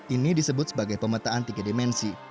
ini disebut sebagai pemata antikidimensi